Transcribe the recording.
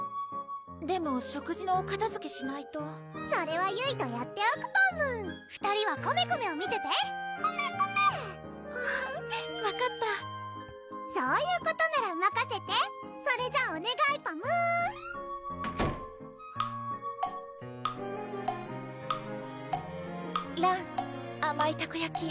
でも食事のおかたづけしないとそれはゆいとやっておくパム２人はコメコメを見ててコメコメ分かったそういうことならまかせてそれじゃおねがいパムらんあまいたこやき